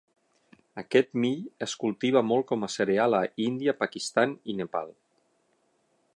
Aquest mill es cultiva molt com a cereal a Índia, Pakistan, i Nepal.